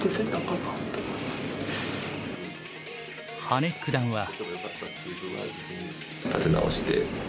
羽根九段は。